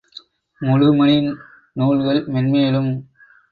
முழுமணி நூல்கள் மேன்மேலும்